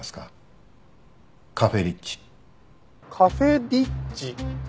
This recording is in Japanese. カフェリッジ？